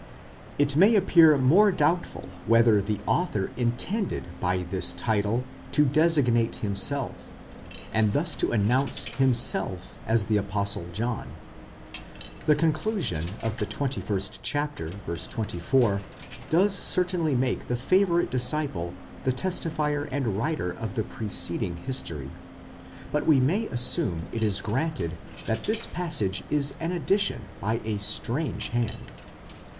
It may appear more doubtful whether the author intended by this title to. designate himself, and thus to announce himself as the Apostle John. The conclusion of the twenty first chapter, v. 24, does certainly make the favourite disciple the testifier and writer of the preceding history ; but we may assume it as granted that this passage is an addition by a strange hand.